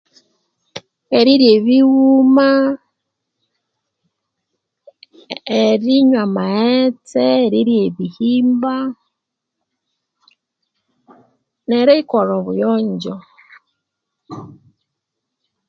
Erirya ebighuma, ee erinywa amaghetse , erirya ebihimba, neriyikolha obuyonjo